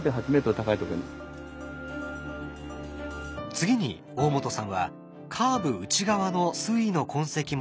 次に大本さんはカーブ内側の水位の痕跡も調べました。